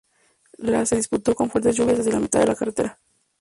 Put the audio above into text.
La se disputó con fuertes lluvias desde la mitad de la carrera.